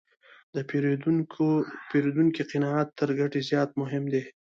د پیرودونکي قناعت تر ګټې زیات مهم دی.